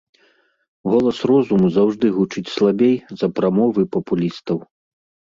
Голас розуму заўжды гучыць слабей за прамовы папулістаў.